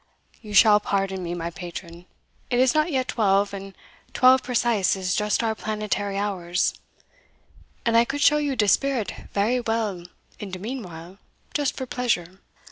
"You shall pardon me, my patron; it is not yet twelve, and twelve precise is just our planetary hours; and I could show you de spirit vary well, in de meanwhile, just for pleasure.